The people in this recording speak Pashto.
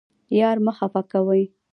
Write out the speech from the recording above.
یار مه خفه کوئ